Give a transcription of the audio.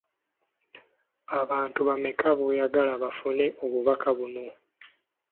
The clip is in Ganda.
Abantu bameka b'oyagala bafune obubaka buno?